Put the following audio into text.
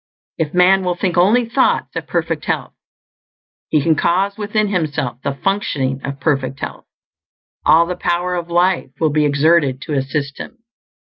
_ _If man will think only thoughts of perfect health, he can cause within himself the functioning of perfect health; all the Power of Life will be exerted to assist him.